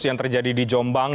yang terjadi di jombang